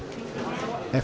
di jakarta timur